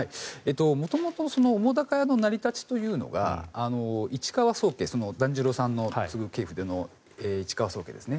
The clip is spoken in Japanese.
元々澤瀉屋の成り立ちというのが市川宗家團十郎さんの継ぐ系譜での市川宗家ですね